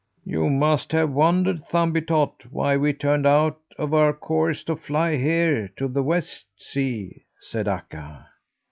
"You must have wondered, Thumbietot, why we turned out of our course to fly here to the West Sea," said Akka.